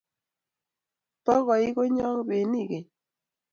Bo koik konyo benie keny